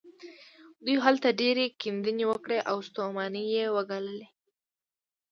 دوی هلته ډېرې کيندنې وکړې او ستومانۍ يې وګاللې.